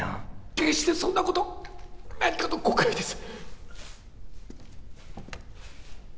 決してそんなこと何かの誤解です